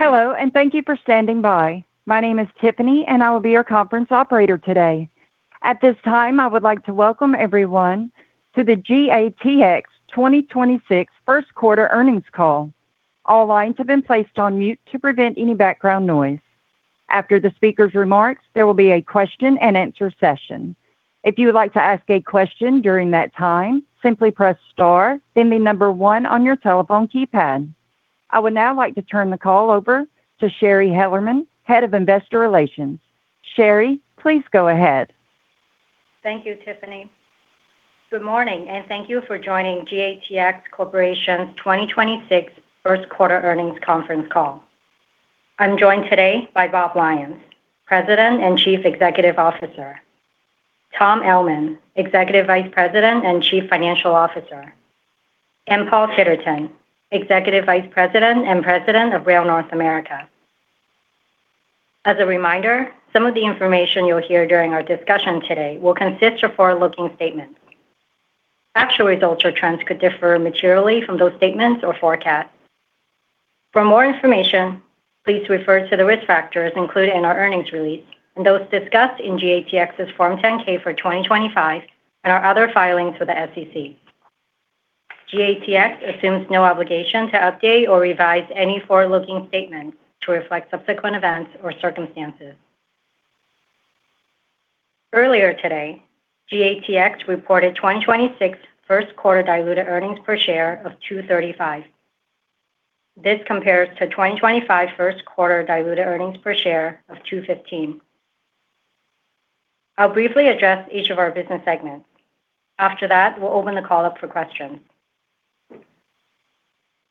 Hello. Thank you for standing by. My name is Tiffany, and I will be your conference operator today. At this time, I would like to welcome everyone to the GATX 2026 First Quarter Earnings Call. All lines have been placed on mute to prevent any background noise. After the speaker's remarks, there will be a question and answer session. If you would like to ask a question during that time, simply press star then the one on your telephone keypad. I would now like to turn the call over to Shari Hellerman, Head of Investor Relations. Shari, please go ahead. Thank you, Tiffany. Good morning, thank you for joining GATX Corporation's 2026 First Quarter Earnings Conference Call. I'm joined today by Bob Lyons, President and Chief Executive Officer, Tom Ellman, Executive Vice President and Chief Financial Officer, Paul Titterton, Executive Vice President and President of Rail North America. As a reminder, some of the information you'll hear during our discussion today will consist of forward-looking statements. Actual results or trends could differ materially from those statements or forecasts. For more information, please refer to the risk factors included in our earnings release and those discussed in GATX's Form 10-K for 2025 and our other filings with the SEC. GATX assumes no obligation to update or revise any forward-looking statements to reflect subsequent events or circumstances. Earlier today, GATX reported 2026 first quarter diluted earnings per share of $2.35. This compares to 2025 first quarter diluted earnings per share of $2.15. I'll briefly address each of our business segments. After that, we'll open the call up for questions.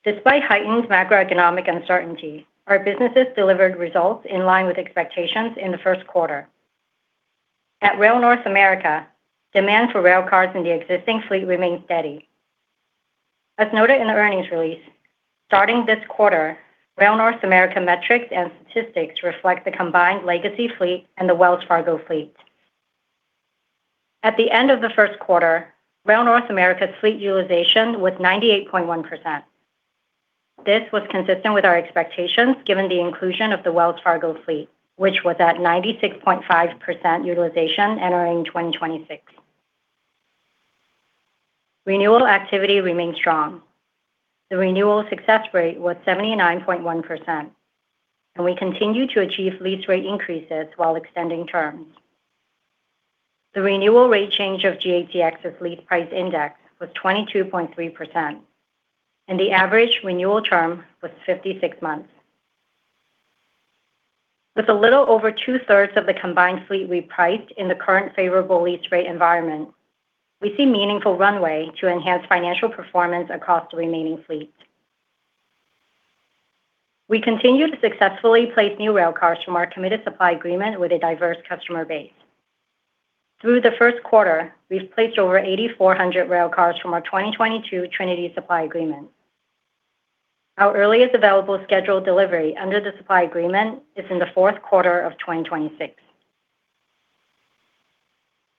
Despite heightened macroeconomic uncertainty, our businesses delivered results in line with expectations in the first quarter. At Rail North America, demand for railcars in the existing fleet remained steady. As noted in the earnings release, starting this quarter, Rail North America metrics and statistics reflect the combined legacy fleet and the Wells Fargo fleet. At the end of the first quarter, Rail North America's fleet utilization was 98.1%. This was consistent with our expectations given the inclusion of the Wells Fargo fleet, which was at 96.5% utilization entering 2026. Renewal activity remained strong. The renewal success rate was 79.1%, and we continue to achieve lease rate increases while extending terms. The renewal rate change of GATX's Lease Price Index was 22.3%, and the average renewal term was 56 months. With a little over two-thirds of the combined fleet repriced in the current favorable lease rate environment, we see meaningful runway to enhance financial performance across the remaining fleet. We continue to successfully place new railcars from our committed supply agreement with a diverse customer base. Through the first quarter, we've placed over 8,400 railcars from our 2022 Trinity supply agreement. Our earliest available scheduled delivery under the supply agreement is in the fourth quarter of 2026.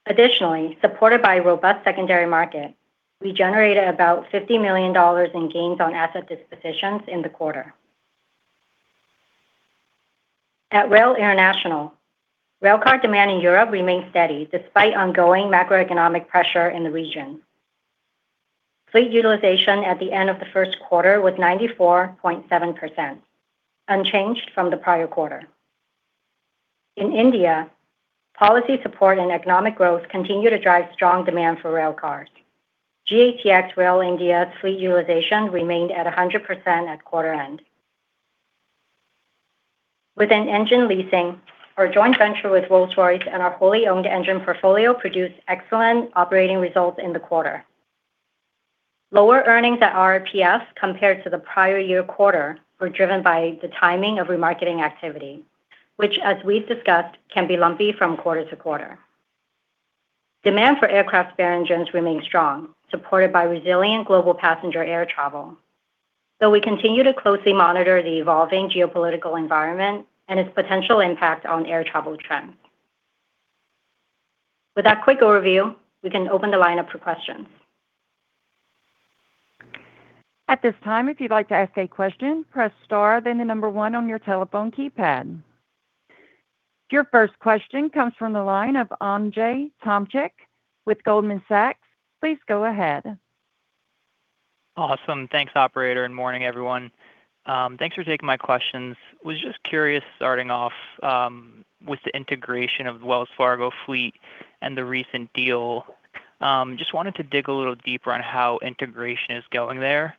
Additionally, supported by a robust secondary market, we generated about $50 million in gains on asset dispositions in the quarter. At Rail International, railcar demand in Europe remained steady despite ongoing macroeconomic pressure in the region. Fleet utilization at the end of the first quarter was 94.7%, unchanged from the prior quarter. In India, policy support and economic growth continue to drive strong demand for railcars. GATX Rail India fleet utilization remained at 100% at quarter end. Within Engine Leasing, our joint venture with Rolls-Royce and our wholly owned engine portfolio produced excellent operating results in the quarter. Lower earnings at RRPF compared to the prior year quarter were driven by the timing of remarketing activity, which as we've discussed can be lumpy from quarter to quarter. Demand for aircraft spare engines remains strong, supported by resilient global passenger air travel, though we continue to closely monitor the evolving geopolitical environment and its potential impact on air travel trends. With that quick overview, we can open the line up for questions. Your first question comes from the line of Andrzej Tomczyk with Goldman Sachs. Please go ahead. Awesome. Thanks, operator, and morning, everyone. Thanks for taking my questions. Was just curious starting off with the integration of the Wells Fargo fleet and the recent deal. Just wanted to dig a little deeper on how integration is going there,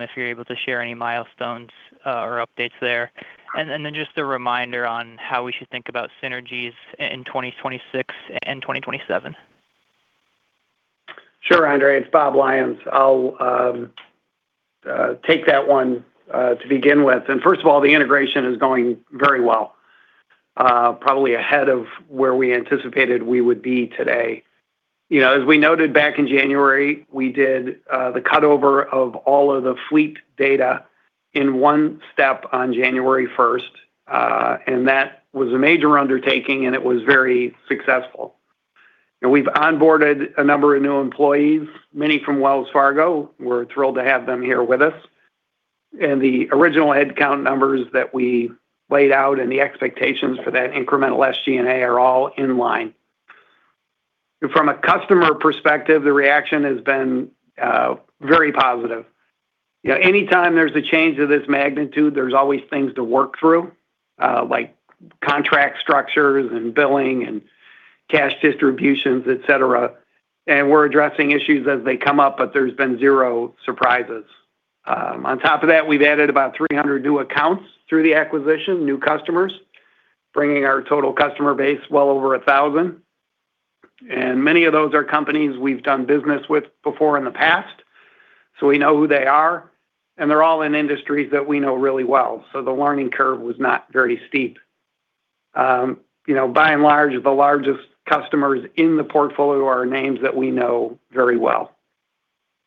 if you're able to share any milestones or updates there. Then just a reminder on how we should think about synergies in 2026 and 2027. Sure, Andrzej. It's Bob Lyons. I'll take that one to begin with. First of all, the integration is going very well, probably ahead of where we anticipated we would be today. You know, as we noted back in January, we did the cut-over of all of the fleet data in one step on January first. That was a major undertaking, and it was very successful. We've onboarded a number of new employees, many from Wells Fargo. We're thrilled to have them here with us. The original headcount numbers that we laid out and the expectations for that incremental SG&A are all in line. From a customer perspective, the reaction has been very positive. You know, anytime there's a change of this magnitude, there's always things to work through, like contract structures and billing and cash distributions, et cetera. We're addressing issues as they come up, but there's been zero surprises. On top of that, we've added about 300 new accounts through the acquisition, new customers, bringing our total customer base well over 1,000. Many of those are companies we've done business with before in the past, so we know who they are, and they're all in industries that we know really well, so the learning curve was not very steep. You know, by and large, the largest customers in the portfolio are names that we know very well.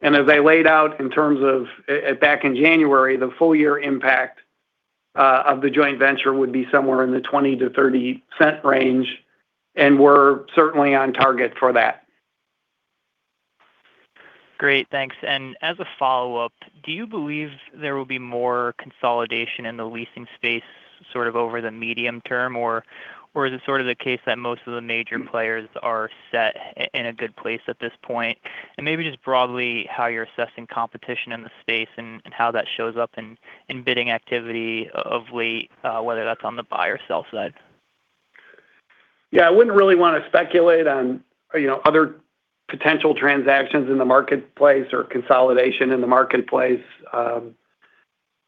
As I laid out in terms of back in January, the full year impact of the joint venture would be somewhere in the $0.20-$0.30 range, and we're certainly on target for that. Great. Thanks. As a follow-up, do you believe there will be more consolidation in the leasing space sort of over the medium term, or is it sort of the case that most of the major players are set in a good place at this point? Maybe just broadly how you're assessing competition in the space and how that shows up in bidding activity of late, whether that's on the buy or sell side. I wouldn't really want to speculate on, you know, other potential transactions in the marketplace or consolidation in the marketplace.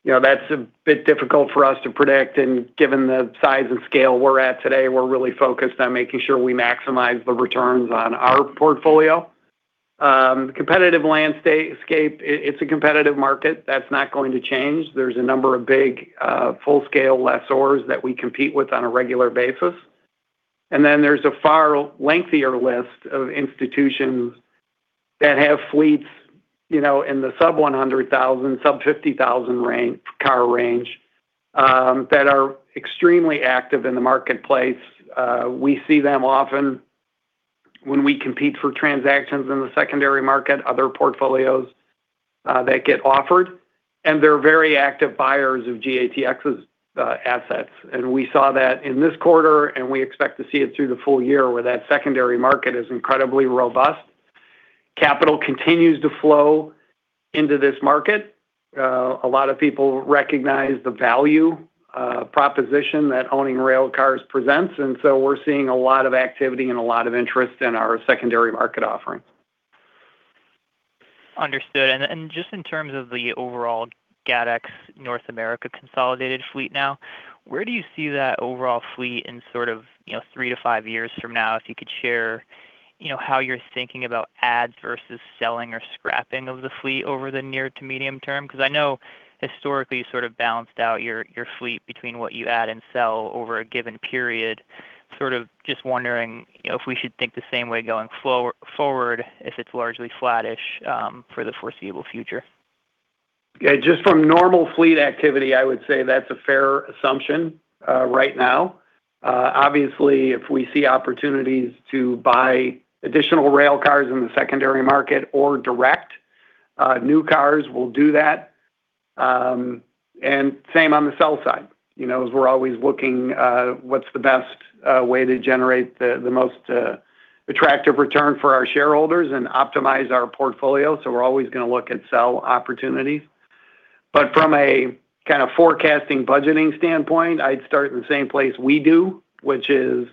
You know, that's a bit difficult for us to predict. Given the size and scale we're at today, we're really focused on making sure we maximize the returns on our portfolio. Competitive landscape, it's a competitive market. That's not going to change. There's a number of big, full-scale lessors that we compete with on a regular basis. There's a far lengthier list of institutions that have fleets, you know, in the sub 100,000, sub 50,000 car range that are extremely active in the marketplace. We see them often when we compete for transactions in the secondary market, other portfolios that get offered, and they're very active buyers of GATX's assets. We saw that in this quarter, and we expect to see it through the full year where that secondary market is incredibly robust. Capital continues to flow into this market. A lot of people recognize the value proposition that owning railcars presents, and so we're seeing a lot of activity and a lot of interest in our secondary market offerings. Understood. Just in terms of the overall GATX North America consolidated fleet now, where do you see that overall fleet in sort of, you know, three to five years from now? If you could share, you know, how you're thinking about adds versus selling or scrapping of the fleet over the near to medium term. 'Cause I know historically you sort of balanced out your fleet between what you add and sell over a given period. Sort of just wondering, you know, if we should think the same way going forward, if it's largely flattish for the foreseeable future. Yeah, just from normal fleet activity, I would say that's a fair assumption right now. Obviously, if we see opportunities to buy additional railcars in the secondary market or direct new cars, we'll do that. And same on the sell side, you know, as we're always looking, what's the best way to generate the most attractive return for our shareholders and optimize our portfolio. We're always gonna look at sell opportunities. From a kind of forecasting, budgeting standpoint, I'd start in the same place we do, which is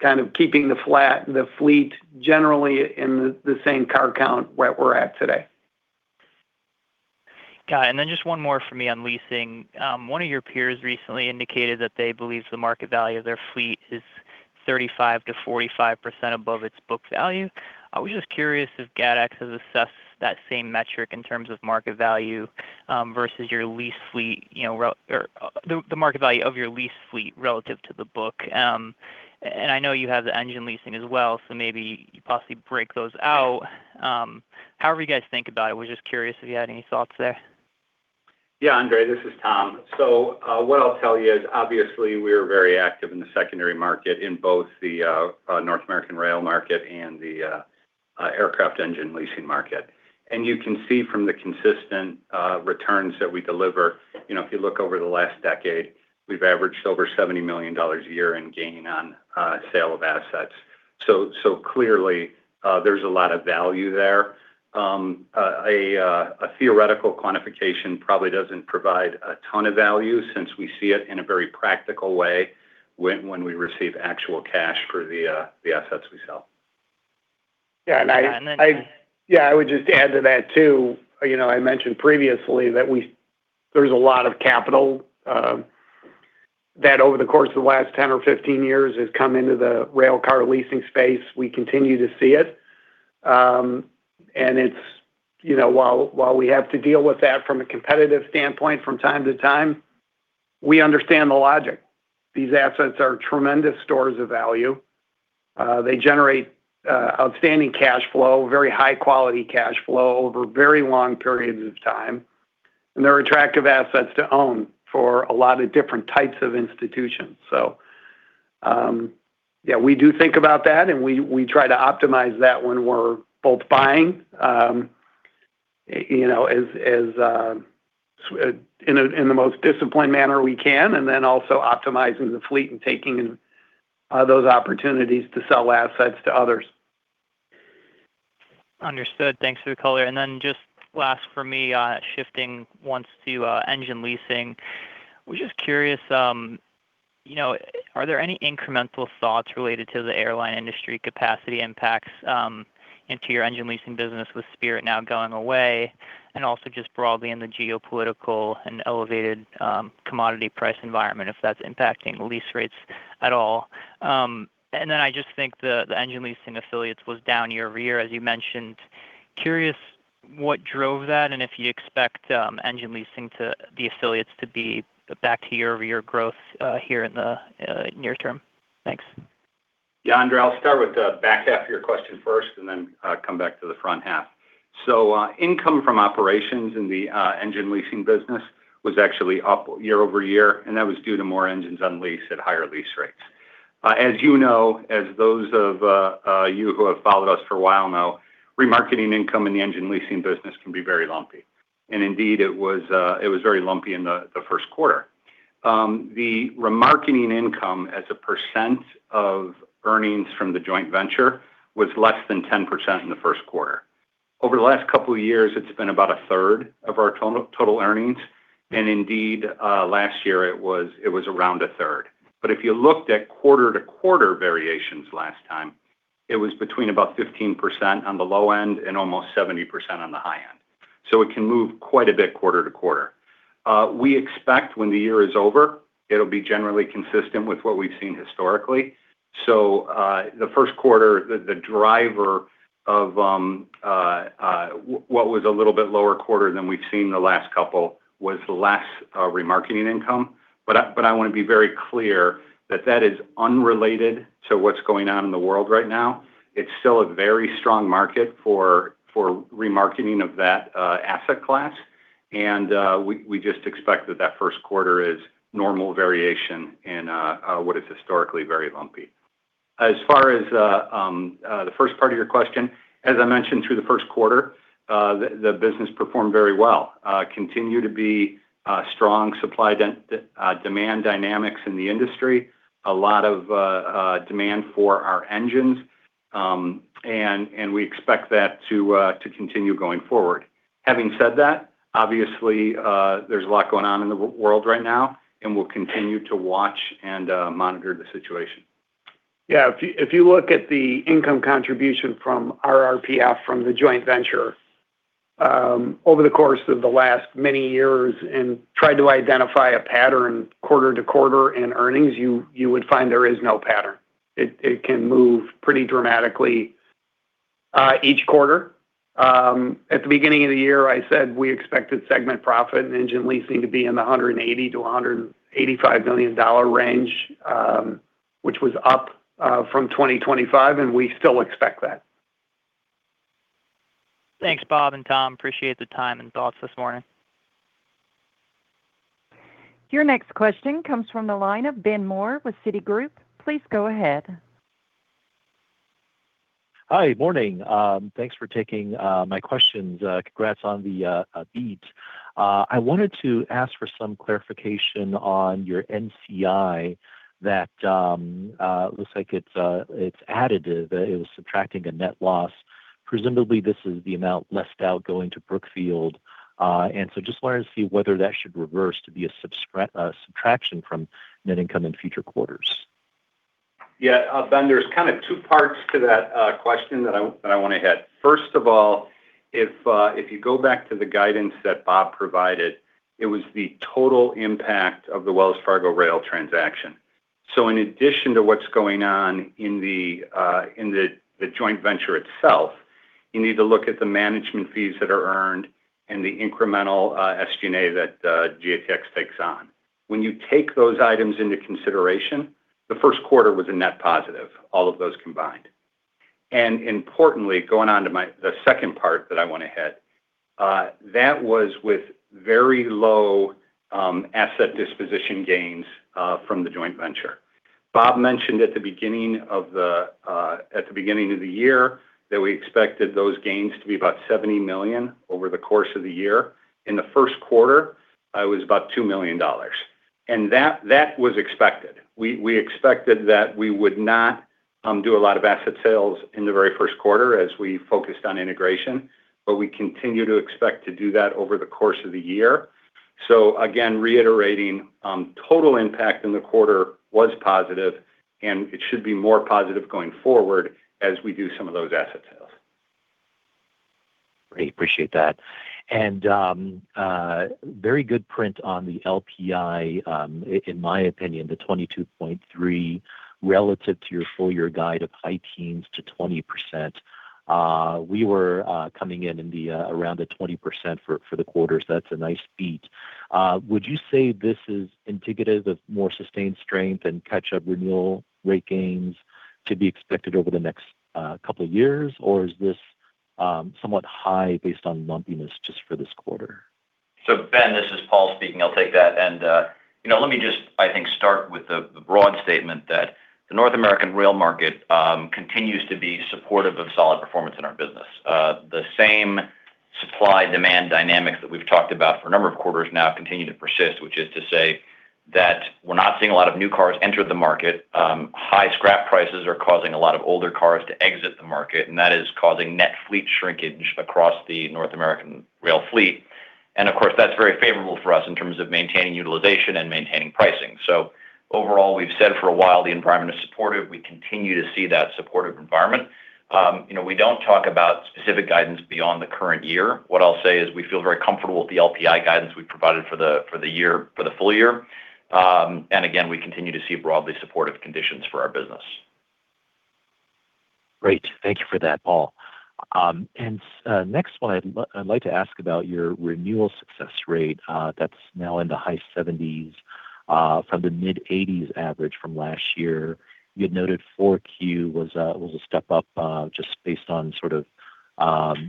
kind of keeping the fleet generally in the same car count where we're at today. Got it. Then just one more for me on leasing. One of your peers recently indicated that they believe the market value of their fleet is 35%-45% above its book value. I was just curious if GATX has assessed that same metric in terms of market value versus your lease fleet or the market value of your lease fleet relative to the book. I know you have the Engine Leasing as well, so maybe you possibly break those out. However you guys think about it. Was just curious if you had any thoughts there. Andrzej, this is Tom. What I'll tell you is obviously we're very active in the secondary market in both the Rail North America market and the Aircraft Engine Leasing market. You can see from the consistent returns that we deliver, you know, if you look over the last decade, we've averaged over $70 million a year in gain on sale of assets. Clearly, there's a lot of value there. A theoretical quantification probably doesn't provide a ton of value since we see it in a very practical way when we receive actual cash for the assets we sell. Yeah. And then- Yeah, I would just add to that, too. You know, I mentioned previously that there's a lot of capital that over the course of the last 10 or 15 years has come into the railcar leasing space. We continue to see it. It's, you know, while we have to deal with that from a competitive standpoint from time to time, we understand the logic. These assets are tremendous stores of value. They generate outstanding cash flow, very high quality cash flow over very long periods of time. They're attractive assets to own for a lot of different types of institutions. Yeah, we do think about that, and we try to optimize that when we're both buying, you know, as in the most disciplined manner we can and then also optimizing the fleet and taking those opportunities to sell assets to others. Understood. Thanks for the color. Just last for me, shifting once to Engine Leasing. Was just curious, you know, are there any incremental thoughts related to the airline industry capacity impacts into your Engine Leasing business with Spirit now going away? Also just broadly in the geopolitical and elevated commodity price environment, if that's impacting lease rates at all. I just think the Engine Leasing affiliates was down year-over-year, as you mentioned. Curious what drove that and if you expect Engine Leasing to the affiliates to be back to year-over-year growth here in the near term. Thanks. Yeah, Andrzej, I'll start with the back half of your question first and then come back to the front half. Income from operations in the Engine Leasing business was actually up year-over-year, and that was due to more engines on lease at higher lease rates. As you know, as those of you who have followed us for a while now, remarketing income in the Engine Leasing business can be very lumpy. Indeed, it was very lumpy in the first quarter. The remarketing income as a percent of earnings from the joint venture was less than 10% in the first quarter. Over the last couple of years, it's been about 1/3 of our total earnings, and indeed, last year it was around 1/3. If you looked at quarter-to-quarter variations last time, it was between about 15% on the low end and almost 70% on the high end. It can move quite a bit quarter-to-quarter. We expect when the year is over, it will be generally consistent with what we've seen historically. The 1st quarter, the driver of what was a little bit lower quarter than we've seen the last couple was less remarketing income. I want to be very clear that that is unrelated to what's going on in the world right now. It's still a very strong market for remarketing of that asset class. We just expect that that 1st quarter is normal variation in what is historically very lumpy. As far as the first part of your question, as I mentioned, through the first quarter, the business performed very well. Continue to be strong supply demand dynamics in the industry. A lot of demand for our engines, and we expect that to continue going forward. Having said that, obviously, there's a lot going on in the world right now, and we'll continue to watch and monitor the situation. Yeah. If you look at the income contribution from RRPF from the joint venture, over the course of the last many years and try to identify a pattern quarter to quarter in earnings, you would find there is no pattern. It can move pretty dramatically each quarter. At the beginning of the year, I said we expected segment profit in Engine Leasing to be in the $180 million-$185 million range, which was up from 2025. We still expect that. Thanks, Bob and Tom. Appreciate the time and thoughts this morning. Your next question comes from the line of Ben Mohr with Citigroup. Please go ahead. Hi. Morning. Thanks for taking my questions. Congrats on the beat. I wanted to ask for some clarification on your NCI that looks like it's additive, that it was subtracting a net loss. Presumably, this is the amount left out going to Brookfield. Just wanted to see whether that should reverse to be a subtraction from net income in future quarters. Ben, there's kind of two parts to that question that I want to hit. First of all, if you go back to the guidance that Bob provided, it was the total impact of the Wells Fargo rail transaction. In addition to what's going on in the joint venture itself, you need to look at the management fees that are earned and the incremental SG&A that GATX takes on. When you take those items into consideration, the first quarter was a net positive, all of those combined. Importantly, going on to the second part that I want to hit, that was with very low asset disposition gains from the joint venture. Bob mentioned at the beginning of the year that we expected those gains to be about $70 million over the course of the year. In the first quarter, it was about $2 million and that was expected. We expected that we would not do a lot of asset sales in the very first quarter as we focused on integration. We continue to expect to do that over the course of the year. Again, reiterating, total impact in the quarter was positive, and it should be more positive going forward as we do some of those asset sales. Great. Appreciate that. Very good print on the LPI, in my opinion, the 22.3 relative to your full year guide of high teens to 20%. We were coming in around the 20% for the quarters. That's a nice beat. Would you say this is indicative of more sustained strength and catch-up renewal rate gains to be expected over the next couple of years? Or is this somewhat high based on lumpiness just for this quarter? Ben, this is Paul speaking. I'll take that. You know, let me just, I think, start with the broad statement that the North American rail market continues to be supportive of solid performance in our business. The same supply-demand dynamics that we've talked about for a number of quarters now continue to persist, which is to say that we're not seeing a lot of new cars enter the market. High scrap prices are causing a lot of older cars to exit the market, and that is causing net fleet shrinkage across the North American rail fleet. Of course, that's very favorable for us in terms of maintaining utilization and maintaining pricing. Overall, we've said for a while the environment is supportive. We continue to see that supportive environment. You know, we don't talk about specific guidance beyond the current year. What I'll say is we feel very comfortable with the LPI guidance we provided for the, for the year, for the full year. Again, we continue to see broadly supportive conditions for our business. Great. Thank you for that, Paul. Next one, I'd like to ask about your renewal success rate, that's now in the high 70s, from the mid-80s average from last year. You had noted 4Q was a step up, just based on sort of,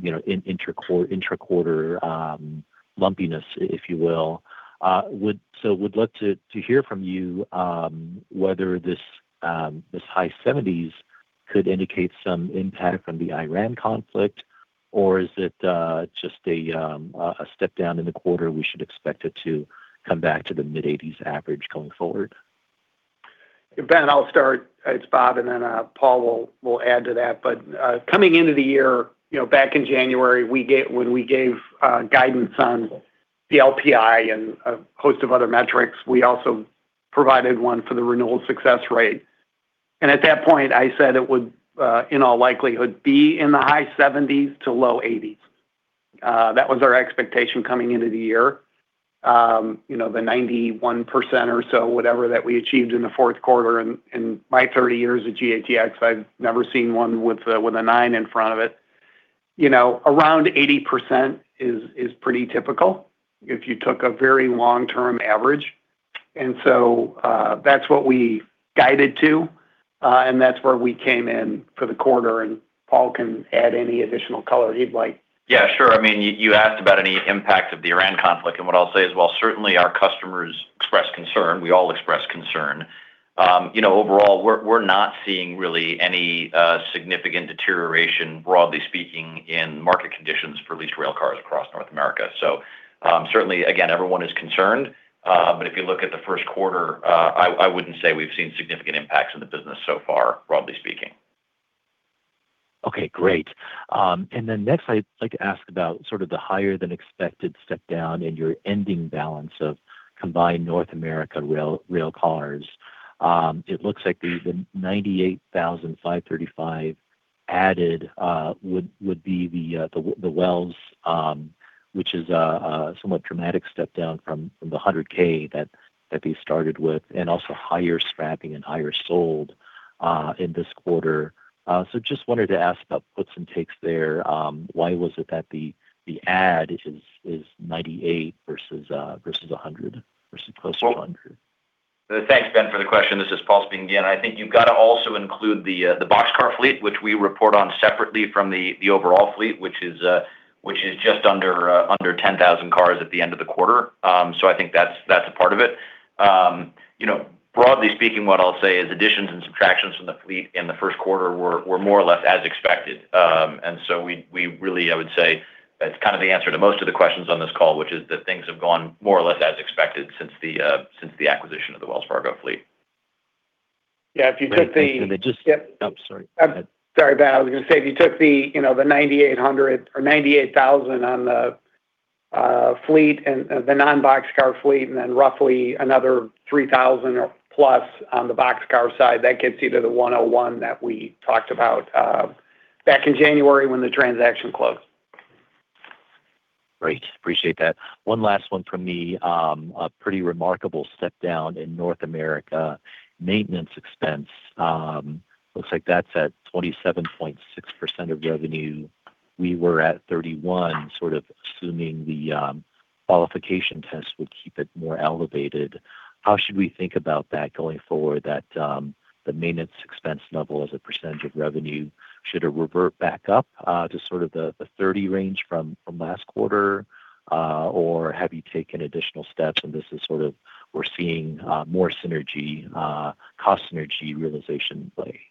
you know, intra-quarter lumpiness, if you will. So would love to hear from you, whether this high 70s could indicate some impact from the Iran conflict, or is it just a step down in the quarter we should expect it to come back to the mid-80s average going forward? Ben, I'll start. It's Bob, and then Paul will add to that. Coming into the year, you know, back in January, when we gave guidance on the LPI and a host of other metrics, we also provided one for the renewal success rate. At that point, I said it would in all likelihood be in the high 70s to low 80s. That was our expectation coming into the year. You know, the 91% or so, whatever that we achieved in the fourth quarter. In my 30 years at GATX, I've never seen one with a 9 in front of it. You know, around 80% is pretty typical if you took a very long-term average. That's what we guided to, and that's where we came in for the quarter, and Paul can add any additional color he'd like. Yeah, sure. I mean, you asked about any impact of the Iran conflict, what I'll say is while certainly our customers expressed concern, we all expressed concern, you know, overall, we're not seeing really any significant deterioration, broadly speaking, in market conditions for leased rail cars across North America. Certainly, again, everyone is concerned, if you look at the first quarter, I wouldn't say we've seen significant impacts on the business so far, broadly speaking. Okay, great. Next, I'd like to ask about sort of the higher than expected step down in your ending balance of combined Rail North America rail cars. It looks like the 98,535 added would be the, which is a somewhat dramatic step down from the 100K that you started with, and also higher scrapping and higher sold in this quarter. Just wanted to ask about puts and takes there. Why was it that the add is 98 versus 100 versus close to 100? Thanks, Ben, for the question. This is Paul speaking again. I think you've got to also include the boxcar fleet, which we report on separately from the overall fleet, which is just under 10,000 cars at the end of the quarter. I think that's a part of it. You know, broadly speaking, what I'll say is additions and subtractions from the fleet in the first quarter were more or less as expected. We really, I would say that's kind of the answer to most of the questions on this call, which is that things have gone more or less as expected since the acquisition of the Wells Fargo fleet. Yeah, if you took. Great. Thank you. Yep. Oh, sorry. Go ahead. Sorry, Ben. I was gonna say if you took the, you know, the 9,800 or 98,000 on the fleet and the non-boxcar fleet and then roughly another 3,000 or plus on the boxcar side, that gets you to the 101 that we talked about back in January when the transaction closed. Great. Appreciate that. One last one from me. A pretty remarkable step down in North America. Maintenance expense, looks like that's at 27.6% of revenue. We were at 31, sort of assuming the qualification test would keep it more elevated. How should we think about that going forward that the maintenance expense level as a percentage of revenue, should it revert back up to sort of the 30 range from last quarter? Have you taken additional steps and this is sort of we're seeing more synergy, cost synergy realization play?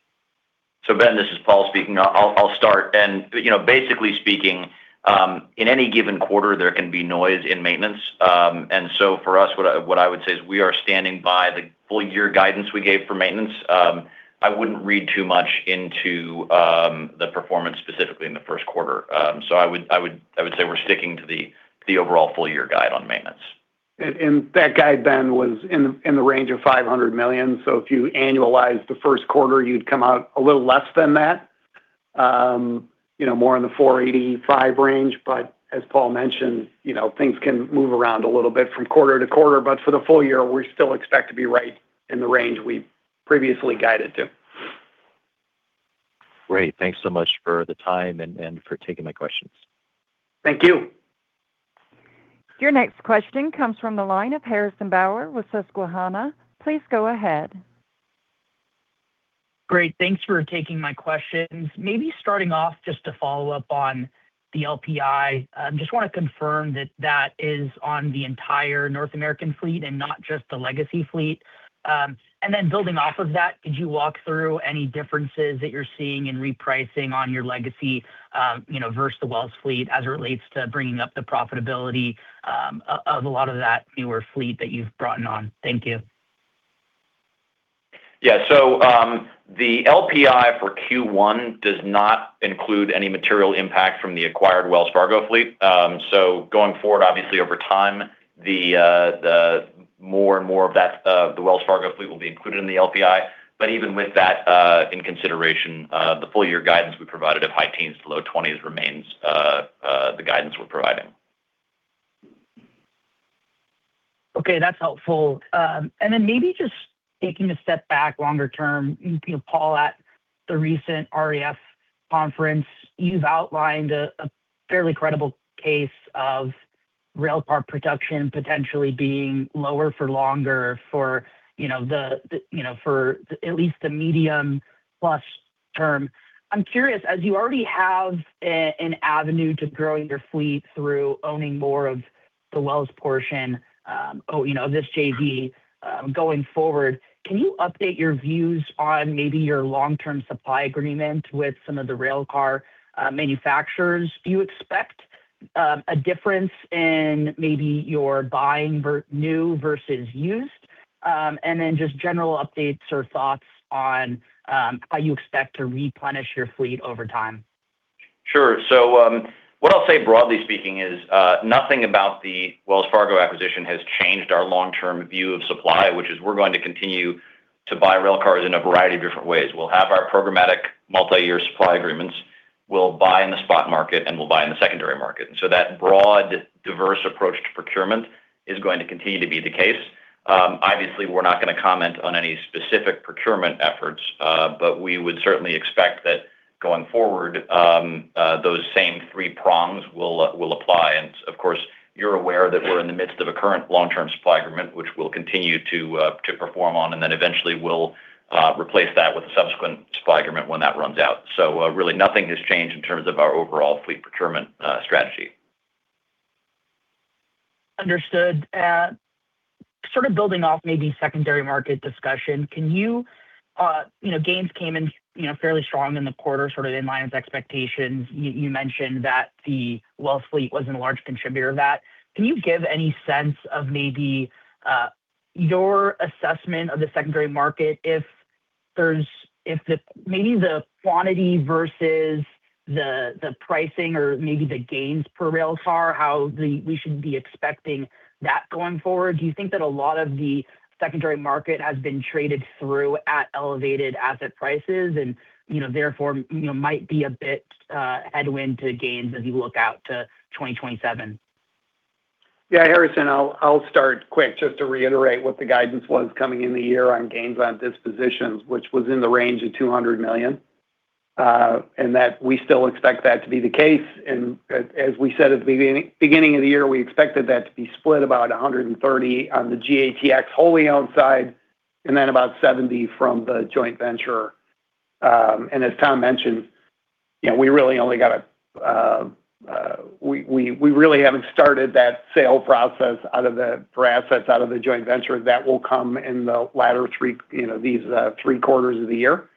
Ben, this is Paul speaking. I'll start. You know, basically speaking, in any given quarter, there can be noise in maintenance. For us, what I would say is we are standing by the full year guidance we gave for maintenance. I wouldn't read too much into the performance specifically in the first quarter. I would say we're sticking to the overall full year guide on maintenance. That guide Ben was in the range of $500 million. If you annualize the first quarter, you'd come out a little less than that. You know, more in the 485 range. As Paul mentioned, you know, things can move around a little bit from quarter to quarter, but for the full year, we still expect to be right in the range we previously guided to. Great. Thanks so much for the time and for taking my questions. Thank you. Your next question comes from the line of Harrison Bauer with Susquehanna. Please go ahead. Great. Thanks for taking my questions. Maybe starting off just to follow up on the LPI, just wanna confirm that that is on the entire North American fleet and not just the legacy fleet. Then building off of that, could you walk through any differences that you're seeing in repricing on your legacy, you know, versus the Wells fleet as it relates to bringing up the profitability of a lot of that newer fleet that you've brought on? Thank you. Yeah. The LPI for Q1 does not include any material impact from the acquired Wells Fargo fleet. Going forward, obviously over time, the more and more of that, the Wells Fargo fleet will be included in the LPI. Even with that, in consideration, the full year guidance we provided of high teens to low 20s remains the guidance we're providing. Okay. That's helpful. Maybe just taking a step back longer term, Paul, at the recent REF conference, you've outlined a fairly credible case of railcar production potentially being lower for longer for at least the medium plus term. I'm curious, as you already have an avenue to growing your fleet through owning more of the Wells portion, you know, this JV, going forward, can you update your views on maybe your long-term supply agreement with some of the railcar manufacturers? Do you expect a difference in maybe your buying new versus used? Just general updates or thoughts on how you expect to replenish your fleet over time. Sure. What I'll say broadly speaking is nothing about the Wells Fargo acquisition has changed our long-term view of supply, which is we're going to continue to buy railcars in a variety of different ways. We'll have our programmatic multi-year supply agreements. We'll buy in the spot market, and we'll buy in the secondary market. That broad diverse approach to procurement is going to continue to be the case. Obviously, we're not going to comment on any specific procurement efforts, but we would certainly expect that going forward, those same three prongs will apply. Of course, you're aware that we're in the midst of a current long-term supply agreement, which we'll continue to perform on, and then eventually we'll replace that with a subsequent supply agreement when that runs out. Really nothing has changed in terms of our overall fleet procurement strategy. Understood. Sort of building off maybe secondary market discussion, you know, gains came in, you know, fairly strong in the quarter, sort of in line with expectations. You mentioned that the Wells fleet wasn't a large contributor of that. Can you give any sense of maybe your assessment of the secondary market if the, maybe the quantity versus the pricing or maybe the gains per railcar, how we should be expecting that going forward? Do you think that a lot of the secondary market has been traded through at elevated asset prices and, you know, therefore, you know, might be a bit headwind to gains as you look out to 2027? Yeah. Harrison, I'll start quick just to reiterate what the guidance was coming in the year on gains on dispositions, which was in the range of $200 million, and that we still expect that to be the case. As we said at the beginning of the year, we expected that to be split about $130 on the GATX wholly owned side and then about $70 from the joint venture. As Tom mentioned, we really haven't started that sale process for assets out of the joint venture. That will come in the latter three, these three quarters of the year.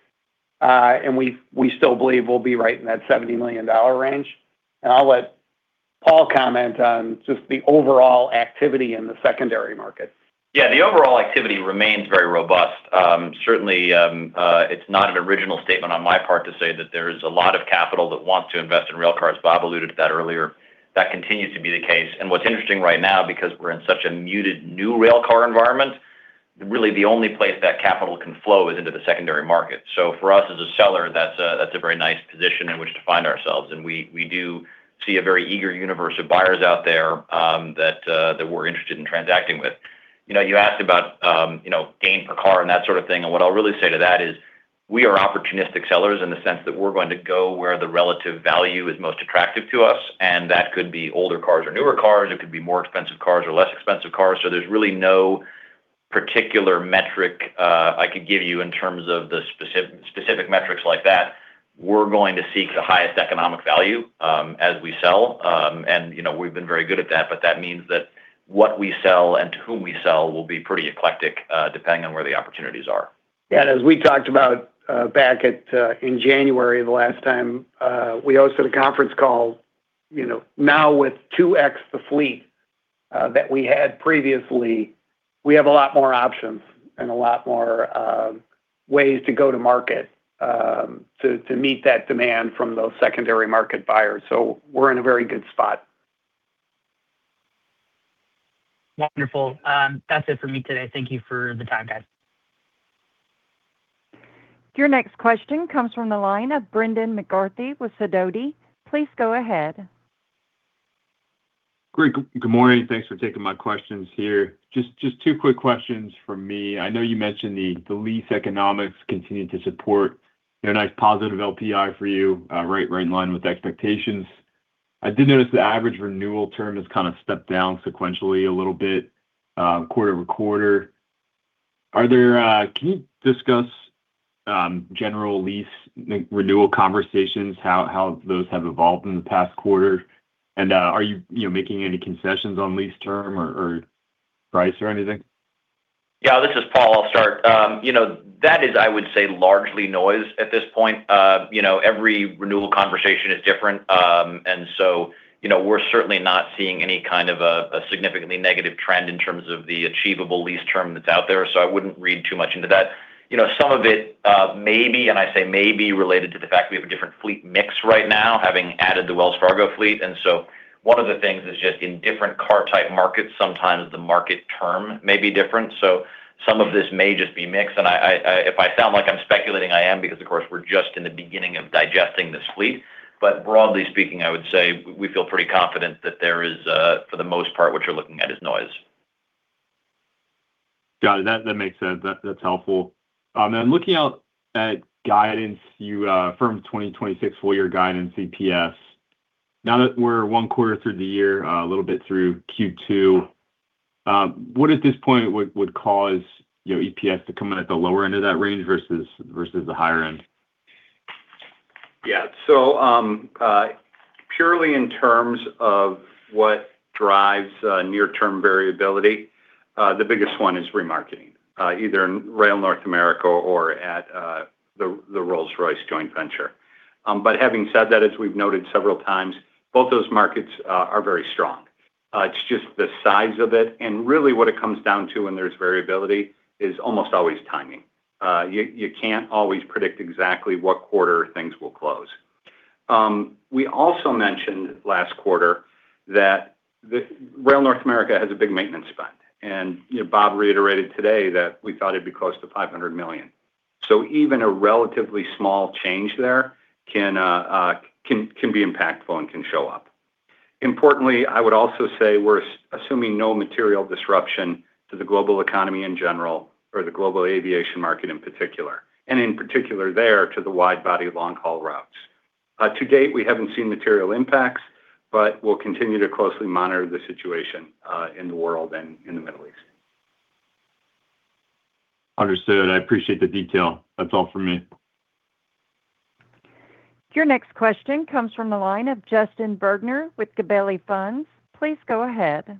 We still believe we'll be right in that $70 million range. I'll let Paul comment on just the overall activity in the secondary market. Yeah. The overall activity remains very robust. Certainly, it's not an original statement on my part to say that there's a lot of capital that wants to invest in railcars. Bob alluded to that earlier. That continues to be the case. What's interesting right now, because we're in such a muted new railcar environment, really the only place that capital can flow is into the secondary market. For us as a seller, that's a very nice position in which to find ourselves. We do see a very eager universe of buyers out there that we're interested in transacting with. You know, you asked about, you know, gain per car and that sort of thing, what I'll really say to that is we are opportunistic sellers in the sense that we're going to go where the relative value is most attractive to us, and that could be older cars or newer cars. It could be more expensive cars or less expensive cars. There's really no particular metric I could give you in terms of the specific metrics like that. We're going to seek the highest economic value as we sell. You know, we've been very good at that, but that means that what we sell and to whom we sell will be pretty eclectic, depending on where the opportunities are. Yeah. As we talked about, back at, in January the last time, we hosted a conference call, you know, now with 2x the fleet, that we had previously, we have a lot more options and a lot more, ways to go to market, to meet that demand from those secondary market buyers. We're in a very good spot. Wonderful. That's it for me today. Thank you for the time, guys. Your next question comes from the line of Brendan McCarthy with Sidoti. Please go ahead. Great. Good morning. Thanks for taking my questions here. Just two quick questions from me. I know you mentioned the lease economics continued to support a nice positive LPI for you, right in line with expectations. I did notice the average renewal term has kind of stepped down sequentially a little bit, quarter-over-quarter. Can you discuss general lease renewal conversations, how those have evolved in the past quarter? Are you know, making any concessions on lease term or price or anything? Yeah. This is Paul. I'll start. You know, that is, I would say, largely noise at this point. You know, every renewal conversation is different. You know, we're certainly not seeing any kind of a significantly negative trend in terms of the achievable lease term that's out there, so I wouldn't read too much into that. You know, some of it may be, and I say may be, related to the fact that we have a different fleet mix right now, having added the Wells Fargo fleet. One of the things is just in different car type markets, sometimes the market term may be different, so some of this may just be mix. If I sound like I'm speculating, I am, because of course we're just in the beginning of digesting this fleet. Broadly speaking, I would say we feel pretty confident that there is, for the most part, what you're looking at is noise. Got it. That makes sense. That's helpful. Looking out at guidance, you affirmed 2026 full year guidance EPS. Now that we're one quarter through the year, a little bit through Q2, what at this point would cause, you know, EPS to come in at the lower end of that range versus the higher end? Yeah. Purely in terms of what drives near term variability, the biggest one is remarketing, either in Rail North America or at the Rolls-Royce joint venture. Having said that, as we've noted several times, both those markets are very strong. It's just the size of it, really what it comes down to when there's variability is almost always timing. You can't always predict exactly what quarter things will close. We also mentioned last quarter that Rail North America has a big maintenance spend. You know, Bob reiterated today that we thought it'd be close to $500 million. Even a relatively small change there can be impactful and can show up. Importantly, I would also say we're assuming no material disruption to the global economy in general or the global aviation market in particular, and in particular there to the wide body long-haul routes. To date, we haven't seen material impacts, we'll continue to closely monitor the situation in the world and in the Middle East. Understood. I appreciate the detail. That is all for me. Your next question comes from the line of Justin Bergner with Gabelli Funds. Please go ahead.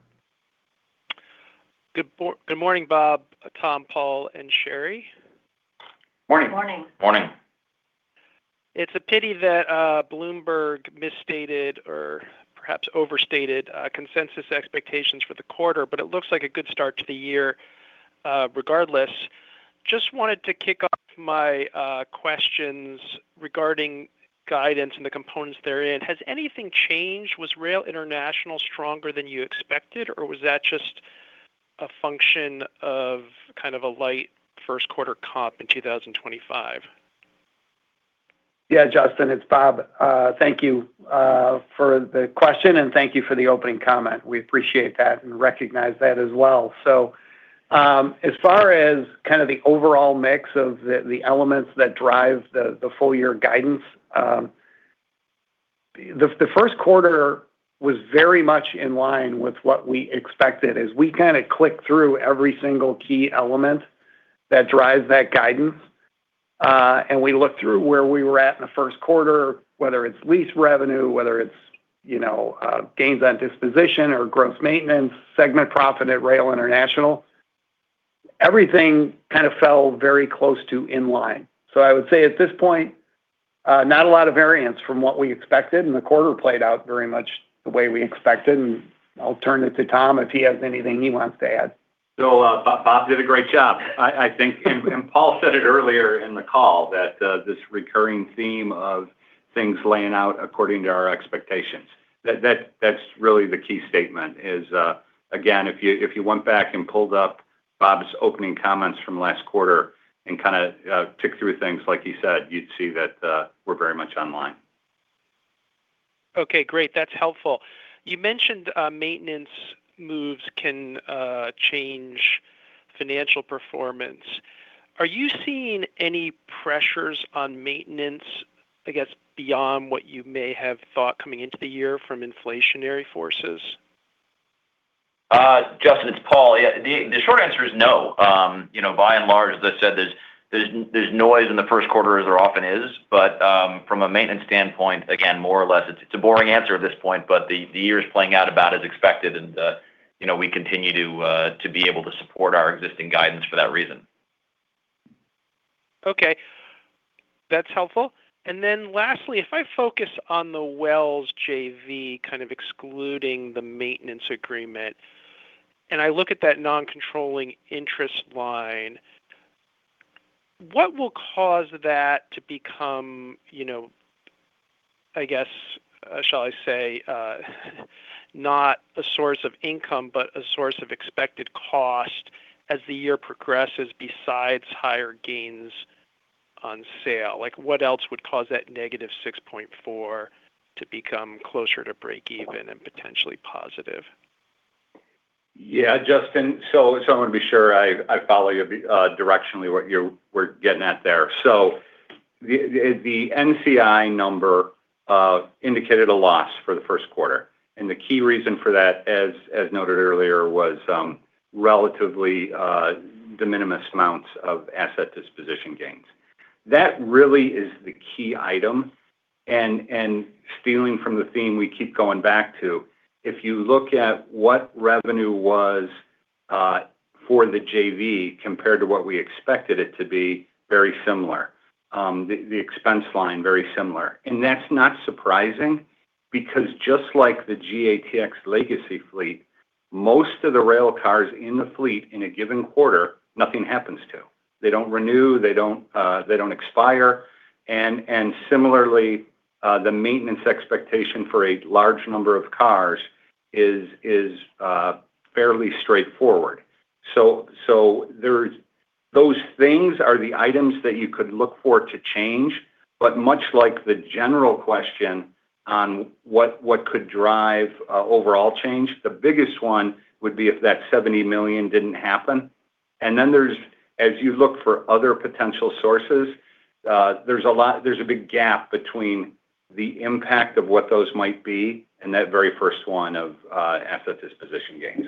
Good morning, Bob, Tom, Paul, and Shari. Morning. Morning. Morning. It's a pity that Bloomberg misstated or perhaps overstated consensus expectations for the quarter, but it looks like a good start to the year regardless. Just wanted to kick off my questions regarding guidance and the components therein. Has anything changed? Was Rail International stronger than you expected, or was that just a function of kind of a light first quarter comp in 2025? Yeah, Justin, it's Bob. Thank you for the question, and thank you for the opening comment. We appreciate that and recognize that as well. As far as kind of the overall mix of the elements that drive the full year guidance, the 1st quarter was very much in line with what we expected. As we kind of click through every single key element that drives that guidance, and we look through where we were at in the 1st quarter, whether it's lease revenue, whether it's, you know, gains on disposition or gross maintenance, segment profit at Rail International, everything kind of fell very close to in line. I would say at this point, not a lot of variance from what we expected, and the quarter played out very much the way we expected. I'll turn it to Tom if he has anything he wants to add. Bob did a great job. I think, and Paul said it earlier in the call that this recurring theme of things laying out according to our expectations. That's really the key statement is, again, if you, if you went back and pulled up Bob's opening comments from last quarter and kind of ticked through things like he said, you'd see that we're very much on line. Okay, great. That's helpful. You mentioned, maintenance moves can change financial performance. Are you seeing any pressures on maintenance, I guess, beyond what you may have thought coming into the year from inflationary forces? Justin, it's Paul. Yeah. The short answer is no. You know, by and large, as I said, there's noise in the first quarter as there often is, but from a maintenance standpoint, again, more or less, it's a boring answer at this point, but the year is playing out about as expected and, you know, we continue to be able to support our existing guidance for that reason. Okay. That's helpful. Then lastly, if I focus on the Wells JV, kind of excluding the maintenance agreement, and I look at that non-controlling interest line, what will cause that to become, you know, I guess, shall I say, not a source of income, but a source of expected cost as the year progresses besides higher gains on sale. What else would cause that -$6.4 to become closer to breakeven and potentially positive? Yeah, Justin. I wanna be sure I follow you directionally what we're getting at there. The NCI number indicated a loss for the first quarter. The key reason for that, as noted earlier, was relatively de minimis amounts of asset disposition gains. That really is the key item. Stealing from the theme we keep going back to, if you look at what revenue was for the JV compared to what we expected it to be, very similar. The expense line, very similar. That's not surprising because just like the GATX legacy fleet, most of the railcars in the fleet in a given quarter, nothing happens to. They don't renew. They don't expire. Similarly, the maintenance expectation for a large number of cars is fairly straightforward. Those things are the items that you could look for to change, but much like the general question on what could drive overall change, the biggest one would be if that $70 million didn't happen. Then there's, as you look for other potential sources, there's a big gap between the impact of what those might be and that very first one of asset disposition gains.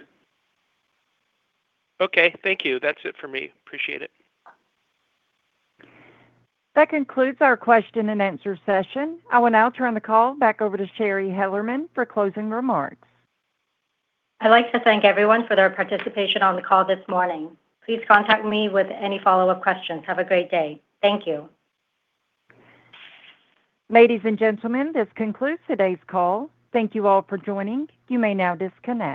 Okay, thank you. That's it for me. Appreciate it. That concludes our question and answer session. I will now turn the call back over to Shari Hellerman for closing remarks. I'd like to thank everyone for their participation on the call this morning. Please contact me with any follow-up questions. Have a great day. Thank you. Ladies and gentlemen, this concludes today's call. Thank you all for joining. You may now disconnect.